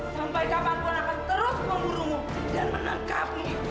sampai kapanpun akan terus mengurungmu dan menangkapmu